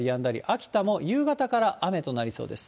秋田も夕方から雨となりそうです。